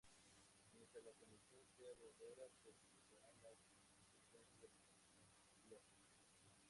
Mientras la condición sea verdadera, se ejecutarán las sentencias del bloque.